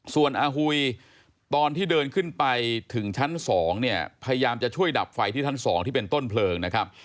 ส่วนอาหุยตอนที่เดินขึ้นไปถึงชั้น๒เนี่ยพยายามจะช่วยดับไฟที่ชั้น๒ที่เป็นต้นเพลิงนะครับ